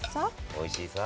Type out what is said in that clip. おいしいさ。